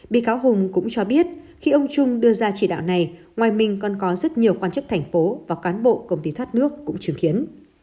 bị cáo hùng cũng cho biết khi ông trung đưa ra chỉ đạo này ngoài mình còn có rất nhiều quan chức thành phố và cán bộ công ty thoát nước cũng chứng kiến